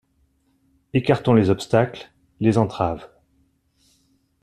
Écartons les obstacles, les entraves.